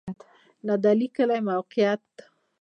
د نادعلي کلی موقعیت